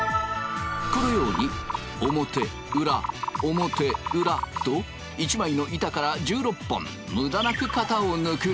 このように表裏表裏と一枚の板から１６本むだなく型を抜く。